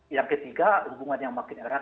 yang ketiga hubungan yang makin erat